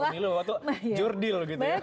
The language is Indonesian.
bahwa jurdil gitu ya